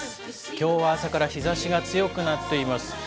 きょうは朝から日ざしが強くなっています。